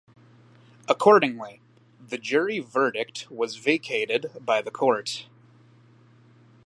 Accordingly, the jury verdict was vacated by the Court.